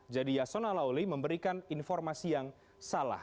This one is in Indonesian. jadi yasona lauli memberikan informasi yang salah